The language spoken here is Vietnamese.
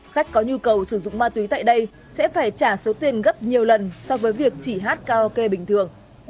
khách có nhu cầu sử dụng ma túy tại đây sẽ phải trả số tiền gấp nhiều lần so với việc chỉ hát karaoke bình thường